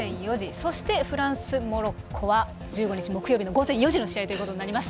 そして、フランス対モロッコは１５日木曜日午前４時の試合となります。